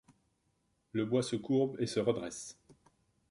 Le bois se courbe et se redresse.